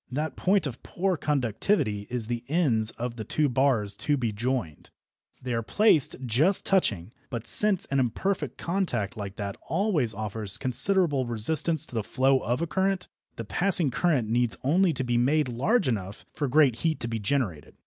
That point of poor conductivity is the ends of the two bars to be joined. They are placed just touching, but since an imperfect contact like that always offers considerable resistance to the flow of a current, the passing current needs only to be made large enough for great heat to be generated.